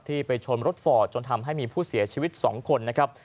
ไปชนรถฟอร์ดจนทำให้มีผู้เสียชีวิต๒คนนะครับ